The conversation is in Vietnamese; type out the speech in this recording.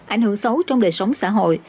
ảnh hưởng xấu trong đời sống xã hội